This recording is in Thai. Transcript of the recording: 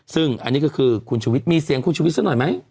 ซึ่งอันนี้ก็คือคุณชุวิตมีเสียงคุณชุวิตซะหน่อยไหม